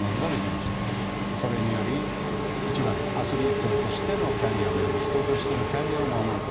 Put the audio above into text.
それにより１番アスリートとしてのキャリアおよび人としてのキャリアを守ること。